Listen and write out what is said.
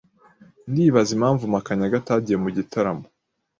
Ndibaza impamvu Makanyaga atagiye mu gitaramo.